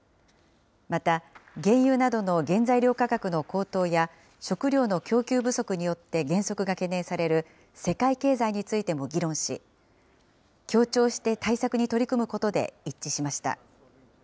また原油などの原材料価格の高騰や、食糧の供給不足によって減速が懸念される世界経済についても議論し、協調して対策に取り組むことで一致しました。